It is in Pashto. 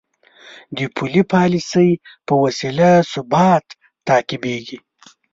د پولي پالیسۍ په وسیله ثبات تعقیبېږي.